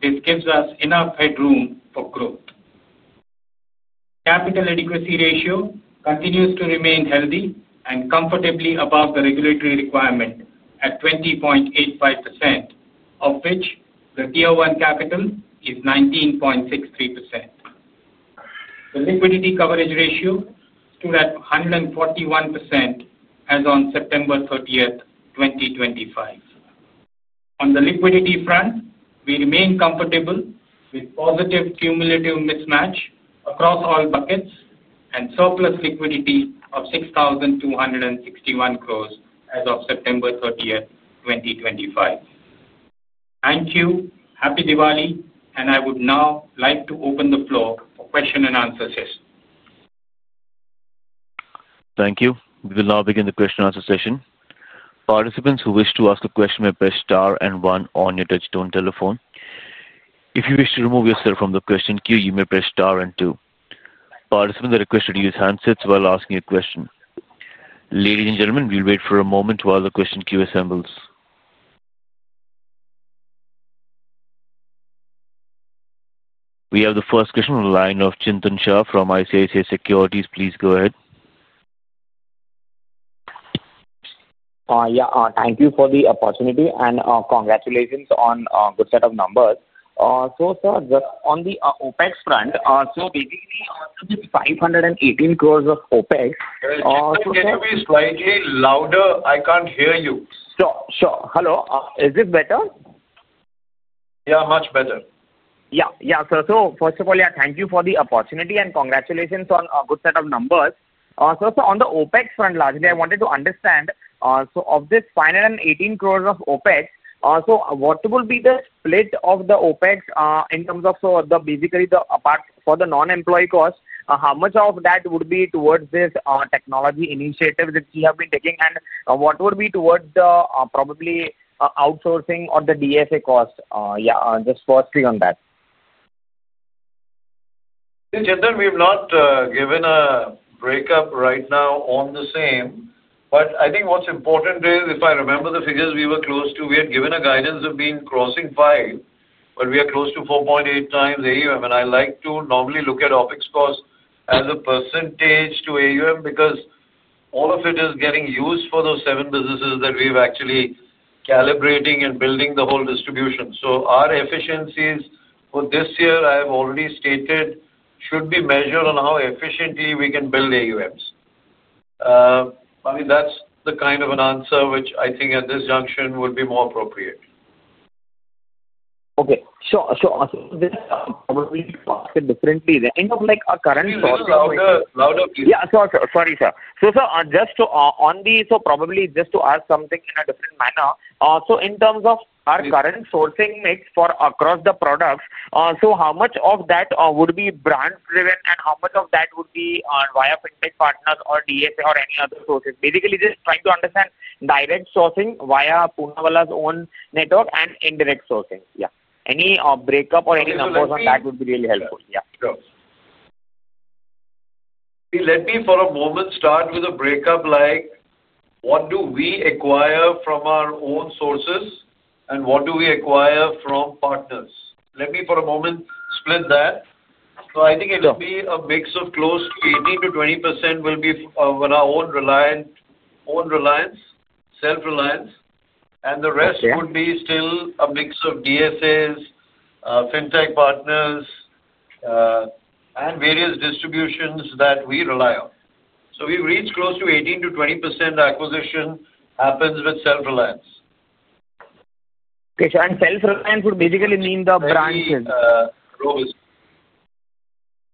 S4: This gives us enough headroom for growth. The capital adequacy ratio continues to remain healthy and comfortably above the regulatory requirement at 20.85%, of which the tier one capital is 19.63%. The liquidity coverage ratio stood at 141% as on September 30th, 2025. On the liquidity front, we remain comfortable with positive cumulative mismatch across all buckets and surplus liquidity of 6,261 crore as of September 30th, 2025. Thank you. Happy Diwali. I would now like to open the floor for question and answer session.
S1: Thank you. We will now begin the question and answer session. Participants who wish to ask a question may press star and one on your touchtone telephone. If you wish to remove yourself from the question queue, you may press star and two. Participants are requested to use handsets while asking a question. Ladies and gentlemen, we'll wait for a moment while the question queue assembles. We have the first question on the line of Chintan Shah from ICICI Securities. Please go ahead.
S5: Thank you for the opportunity and congratulations on a good set of numbers. Sir, just on the OpEx front, it's INR 518 crore of OpEx.
S2: Can you say something slightly louder? I can't hear you.
S5: Sure. Hello. Is it better?
S2: Yeah, much better.
S5: Yeah, sir. First of all, thank you for the opportunity and congratulations on a good set of numbers. On the OpEx front, largely, I wanted to understand, of this 518 crore of OpEx, what will be the split of the OpEx in terms of the part for the non-employee cost? How much of that would be towards this technology initiative that you have been taking? What would be towards probably outsourcing or the DSA cost? Just first thing on that.
S2: Chintan, we've not given a breakup right now on the same, but I think what's important is, if I remember the figures, we were close to, we had given a guidance of being crossing 5x, but we are close to 4.8x AUM. I like to normally look at OpEx cost as a percentage to AUM because all of it is getting used for those seven businesses that we've actually calibrating and building the whole distribution. Our efficiencies for this year, I have already stated, should be measured on how efficiently we can build AUMs. I mean, that's the kind of an answer which I think at this junction would be more appropriate.
S5: Okay. Sure. This probably you can ask it differently. The end of like our current sourcing.
S2: Louder, louder, please.
S5: Sure. Sorry, sir. Just to ask something in a different manner. In terms of our current sourcing mix across the products, how much of that would be branch-driven and how much of that would be via fintech partners or DSA or any other sources? Basically, just trying to understand direct sourcing via Poonawalla's own network and indirect sourcing. Any breakup or any numbers on that would be really helpful.
S2: Let me, for a moment, start with a breakup like what do we acquire from our own sources and what do we acquire from partners? Let me, for a moment, split that. I think it'll be a mix of close to 18%-20% will be on our own reliance, self-reliance, and the rest would be still a mix of DSAs, fintech partners, and various distributions that we rely on. We've reached close to 18%20% acquisition happens with self-reliance.
S5: Okay, sir. Self-reliance would basically mean the branches.
S2: Robust.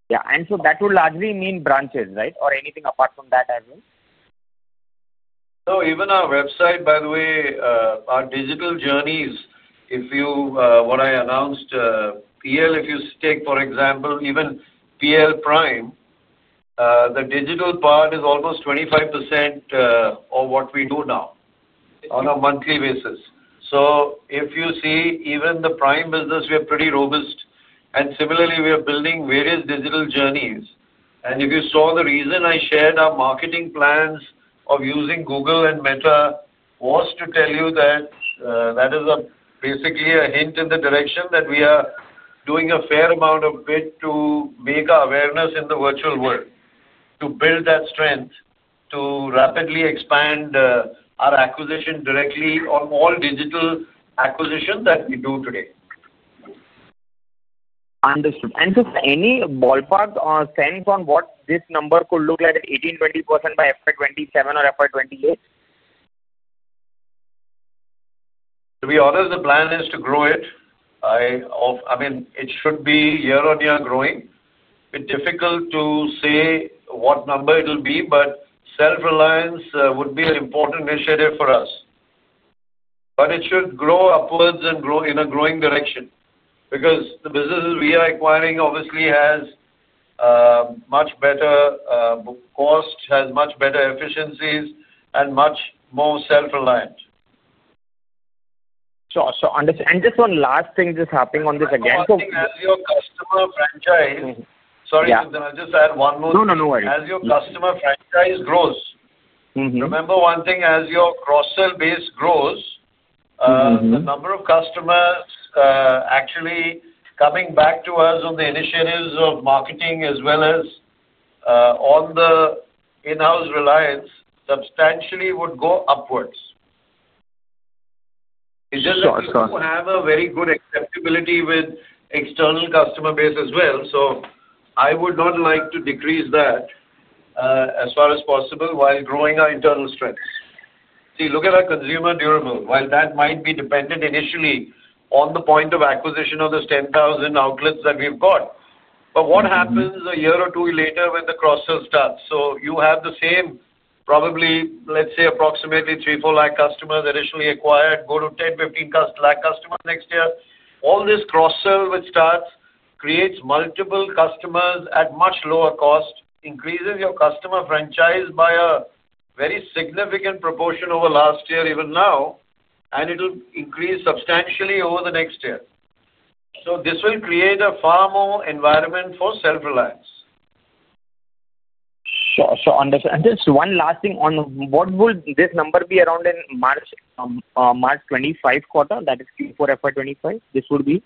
S5: Yeah, that would largely mean branches, right? Or anything apart from that as well?
S2: No. Even our website, by the way, our digital journeys, if you, what I announced, PL, if you take, for example, even PL Prime, the digital part is almost 25% of what we do now on a monthly basis. If you see, even the Prime business, we are pretty robust. Similarly, we are building various digital journeys. The reason I shared our marketing plans of using Google and Meta was to tell you that is basically a hint in the direction that we are doing a fair amount to make our awareness in the virtual world, to build that strength, to rapidly expand our acquisition directly on all digital acquisitions that we do today.
S5: Understood. Just any ballpark or sense on what this number could look like: 18%, 20% by FY 2027 or FY 2028?
S2: To be honest, the plan is to grow it. I mean, it should be year-on-year growing. It's difficult to say what number it'll be. Self-reliance would be an important initiative for us. It should grow upwards and grow in a growing direction because the businesses we are acquiring obviously have much better book cost, have much better efficiencies, and much more self-reliant.
S5: Sure. Understood. Just one last thing, just happening on this again.
S2: As your customer franchise, sorry Chintan, I'll just add one more.
S5: No worries.
S2: As your customer franchise grows, remember one thing: as your cross-sell base grows, the number of customers actually coming back to us on the initiatives of marketing as well as on the in-house reliance substantially would go upwards. It's just that we have a very good acceptability with external customer base as well. I would not like to decrease that, as far as possible while growing our internal strengths. See, look at our consumer durable. While that might be dependent initially on the point of acquisition of those 10,000 outlets that we've got, what happens a year or two later when the cross-sell starts? You have the same, probably, let's say, approximately 300,000-400,000 customers initially acquired, go to 1,000,000-1,500,000 customers next year. All this cross-sell which starts creates multiple customers at much lower cost, increases your customer franchise by a very significant proportion over last year, even now, and it'll increase substantially over the next year. This will create a far more environment for self-reliance.
S5: Sure. Understood. Just one last thing, what would this number be around in March 2025 quarter, that is Q4 FY 2025? This would be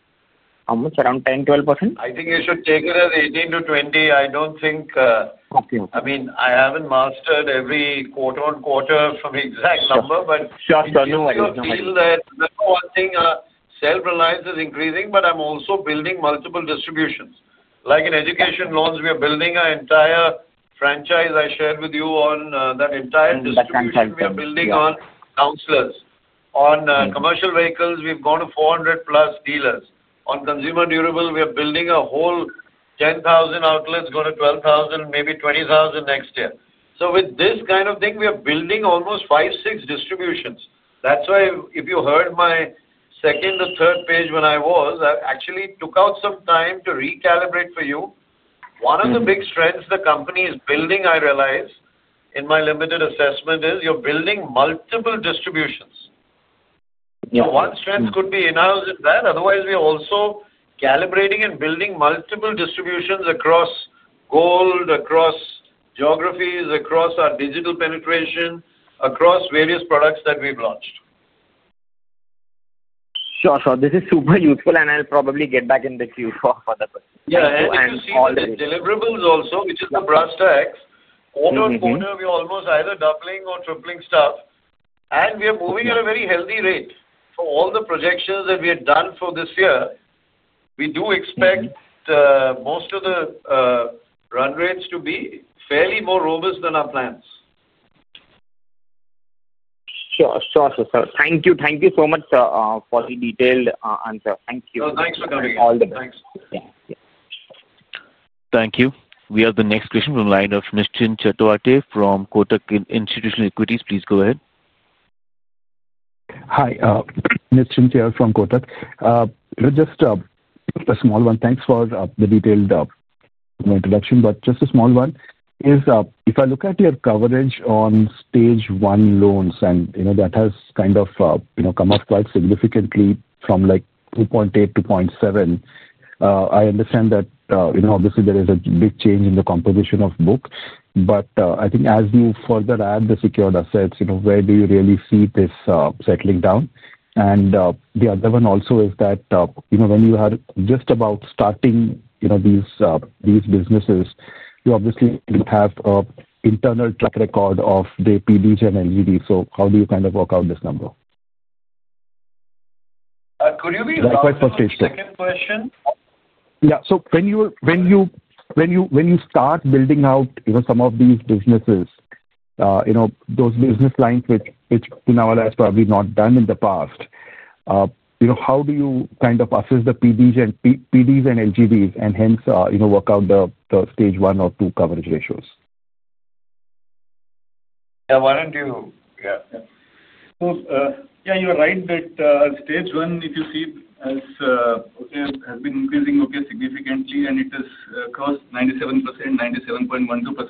S5: how much, around 10%, 12%?
S2: I think you should take it as 18% to 20%. I don't think, okay, I mean, I haven't mastered every quarter-on-quarter from the exact number, but I can tell you that number one thing, self-reliance is increasing, but I'm also building multiple distributions. Like in Education Loans, we are building an entire franchise I shared with you on, that entire distribution.
S5: Oh, that's fantastic.
S2: We are building on counselors. On Commercial Vehicle, we've gone to 400+ dealers. On consumer durable, we are building a whole 10,000 outlets, going to 12,000, maybe 20,000 next year. With this kind of thing, we are building almost five, six distributions. That's why if you heard my second or third page when I was, I actually took out some time to recalibrate for you. One of the big strengths the company is building, I realize, in my limited assessment is you're building multiple distributions.
S5: Yeah.
S2: One strength could be in-house in that. Otherwise, we are also calibrating and building multiple distributions across Gold Loans, across geographies, across our digital penetration, across various products that we've launched.
S5: Sure, this is super useful, and I'll probably get back in the queue for the questions.
S2: Yeah. All the deliverables also, which is the brass tacks. Quarter-on-quarter, we are almost either doubling or tripling stuff, and we are moving at a very healthy rate. All the projections that we had done for this year, we do expect most of the run rates to be fairly more robust than our plans.
S5: Thank you so much, sir, for the detailed answer. Thank you.
S2: No, thanks for coming in.
S5: All the best.
S2: Thanks.
S5: Yeah. Yeah.
S1: Thank you. We have the next question from the line of Nischint Chawathe from Kotak Institutional Equities. Please go ahead.
S6: Hi. Nischint here from Kotak. Just a small one. Thanks for the detailed introduction, but just a small one is, if I look at your coverage on stage one loans, and you know that has kind of come up quite significantly from 2.8% to 2.7%. I understand that, you know, obviously, there is a big change in the composition of the book. I think as you further add the secured assets, you know, where do you really see this settling down? The other one also is that, you know, when you are just about starting these businesses, you obviously have an internal track record of JPDs and NGDs. How do you kind of work out this number?
S3: Could you be?
S6: Likewise for stage two.
S3: Second question?
S6: Yeah. When you start building out some of these businesses, those business lines which Poonawalla has probably not done in the past, how do you kind of assess the PDs and LGDs and hence work out the stage one or two coverage ratios?
S3: Yeah, why don't you? Yeah.
S2: Yeah, you're right that stage one, if you see, has been increasing significantly, and it is across 97%, 97.12% to be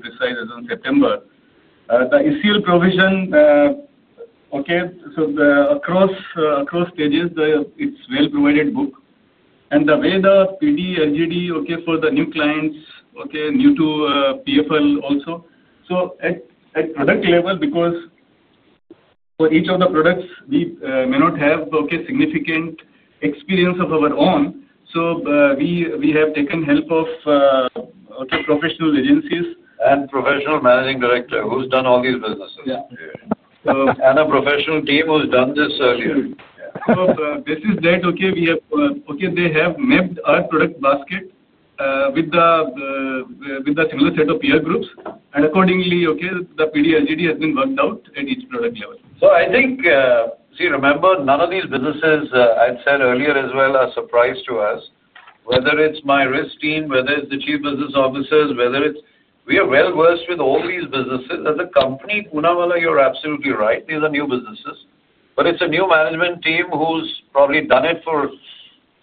S2: precise as in September. The ECL provision, across stages, it's a well-provided book. The way the PD, LGD, for the new clients, new to PFL also. At product level, because for each of the products, we may not have significant experience of our own, we have taken help of professional agencies.
S3: A professional Managing Director who's done all these businesses.
S2: Yeah.
S3: A professional team who's done this earlier.
S2: Yeah, this is that they have mapped our product basket with a similar set of peer groups, and accordingly, the PD, LGD has been worked out at each product level. I think, remember, none of these businesses I had said earlier as well are a surprise to us. Whether it's my risk team, whether it's the Chief Business Officers, we are well-versed with all these businesses. As a company, Poonawalla Fincorp Limited, you're absolutely right. These are new businesses, but it's a new Management Team who's probably done it for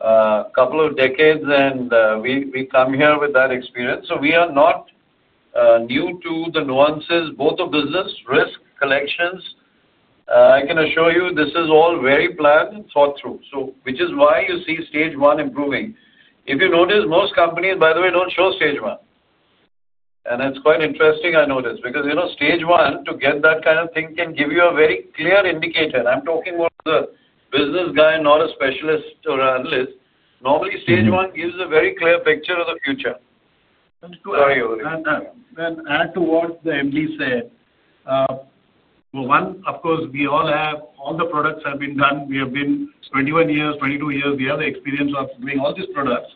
S2: a couple of decades, and we come here with that experience. We are not new to the nuances of business, risk, collections. I can assure you this is all very planned and thought through, which is why you see stage one improving. If you notice, most companies, by the way, don't show stage one. It's quite interesting, I noticed, because you know stage one, to get that kind of thing, can give you a very clear indicator. I'm talking about the business guy, not a specialist or analyst. Normally, stage one gives a very clear picture of the future. To add to what the MD said, one, of course, we all have all the products have been done. We have been 21 years, 22 years. We have the experience of doing all these products.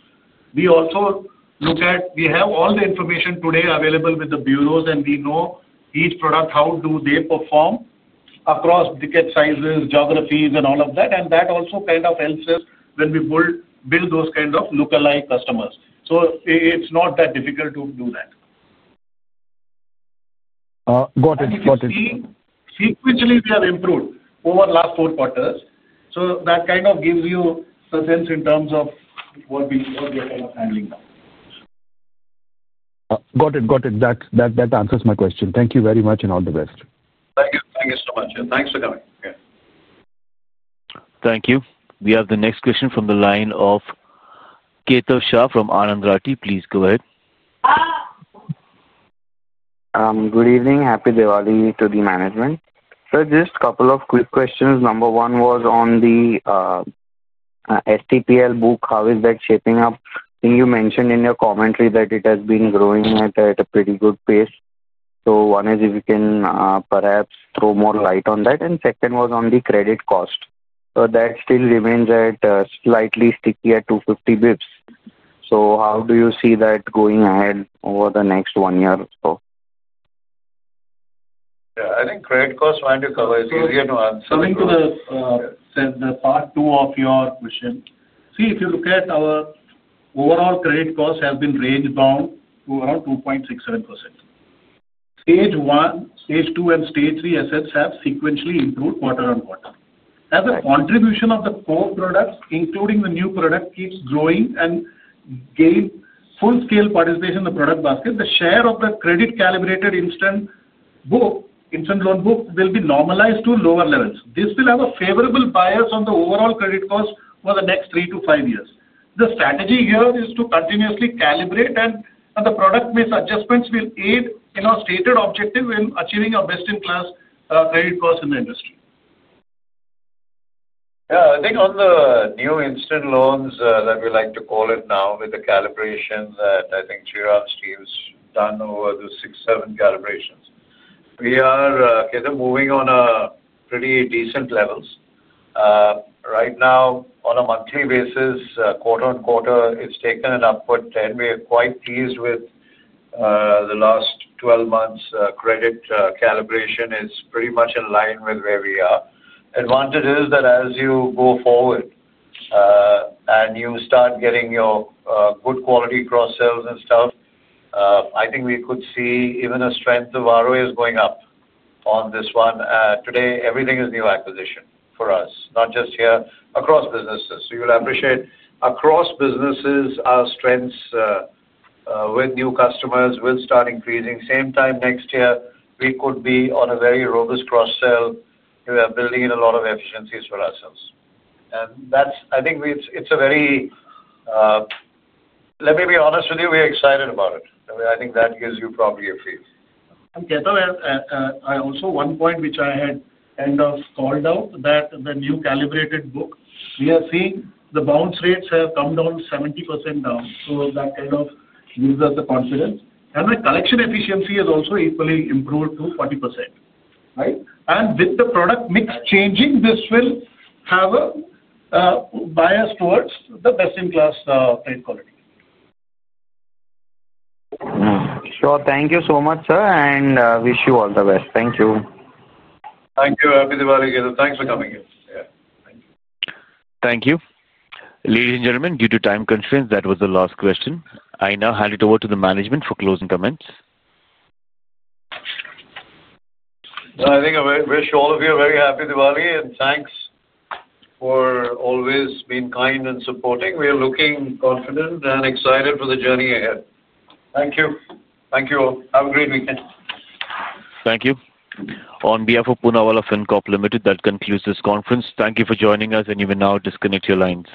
S2: We also look at we have all the information today available with the bureaus, and we know each product, how do they perform across ticket sizes, geographies, and all of that. That also kind of helps us when we build those kind of lookalike customers. It's not that difficult to do that.
S6: Got it. Got it.
S2: Sequentially, we have improved over the last four quarters. That kind of gives you a sense in terms of what we are kind of handling now.
S6: Got it. Got it. That answers my question. Thank you very much and all the best.
S3: Thank you. Thank you so much. Thanks for coming.
S1: Thank you. We have the next question from the line of Kaitav Shah from Anand Rathi. Please go ahead.
S7: Good evening. Happy Diwali to the Management. Sir, just a couple of quick questions. Number one was on the STPL book. How is that shaping up? I think you mentioned in your commentary that it has been growing at a pretty good pace. If you can perhaps throw more light on that. Second was on the credit cost. That still remains at slightly sticky at 250 bps. How do you see that going ahead over the next one year or so?
S2: Yeah, I think credit cost, why don't you cover it? It's easier to answer.
S3: Coming to the part two of your question, see, if you look at our overall credit cost, it has been ranged down to around 2.67%. Stage one, stage two, and stage three assets have sequentially improved quarter on quarter. As a contribution of the core products, including the new product, keeps growing and gaining full-scale participation in the product basket, the share of the credit-calibrated instant loan book will be normalized to lower levels. This will have a favorable bias on the overall credit cost for the next three to five years. The strategy here is to continuously calibrate, and the product-based adjustments will aid in our stated objective in achieving our best-in-class credit costs in the industry.
S2: Yeah. I think on the new instant loans, as I would like to call it now, with the calibration that I think Shriram Iyer's done over the six, seven calibrations, we are moving on a pretty decent level. Right now, on a monthly basis, quarter on quarter, it's taken an upward trend. We are quite pleased with the last 12 months' credit calibration. It's pretty much in line with where we are. The advantage is that as you go forward and you start getting your good quality cross-sales and stuff, I think we could see even a strength of ROA is going up on this one. Today, everything is new acquisition for us, not just here, across businesses. You'll appreciate across businesses, our strengths with new customers will start increasing. Same time next year, we could be on a very robust cross-sell. We are building in a lot of efficiencies for ourselves. I think it's a very, let me be honest with you, we're excited about it. I think that gives you probably a feel.
S3: Kaitav, I also, one point which I had kind of called out, the new calibrated book, we are seeing the bounce rates have come down 70% down. That kind of gives us the confidence, and the collection efficiency has also equally improved to 40%. With the product mix changing, this will have a bias towards the best-in-class credit quality.
S7: Sure. Thank you so much, sir, and wish you all the best. Thank you.
S2: Thank you. Happy Diwali, Kaitav. Thanks for coming in. Thank you.
S1: Thank you. Ladies and gentlemen, due to time constraints, that was the last question. I now hand it over to the Management for closing comments.
S2: No, I think we're sure all of you are very happy Diwali, and thanks for always being kind and supporting. We are looking confident and excited for the journey ahead. Thank you. Thank you all. Have a great weekend.
S1: Thank you. On behalf of Poonawalla Fincorp Limited, that concludes this conference. Thank you for joining us, and you may now disconnect your lines.